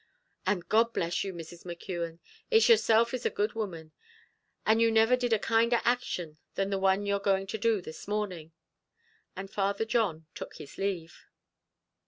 "And God bless you, Mrs. McKeon; it's yourself is a good woman; and you never did a kinder action than the one you're going to do this morning!" and Father John took his leave.